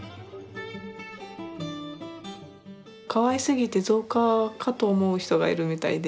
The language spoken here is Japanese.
かわいすぎて造花かと思う人がいるみたいで。